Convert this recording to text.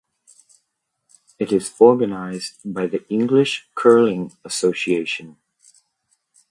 It is organized by the English Curling Association.